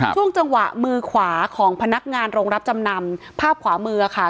ช่วงจังหวะมือขวาของพนักงานโรงรับจำนำภาพขวามือค่ะ